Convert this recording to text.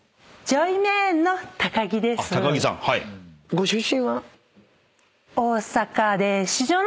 ご出身は？